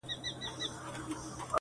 o د اوبو خروار دئ په گوتو ښورېږي!